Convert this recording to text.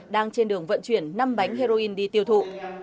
đang trên đường vận chuyển năm bánh heroin đi tiêu thụ